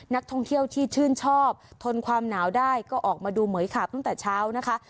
นักท่องเที่ยวที่ชื่นชอบทนความหนาวได้ก็ออกมาดูเหมือยขาบตั้งแต่เช้านะคะ